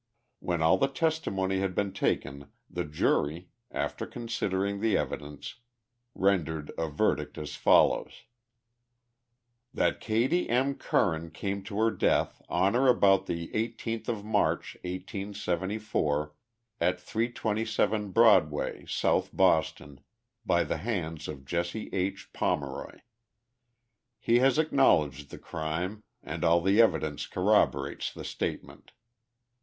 When all the testimony had been taken the jury, after considering the evidence, rendered a verdict as follows :" That Katie M. Curran came to her death on or about the 18th of March, 1S74, at J27 Broadway, South Boston, by the hands of Jesse II. Pomeroy. lie has acknowledged the crime, and all the evidence corroborates the statement.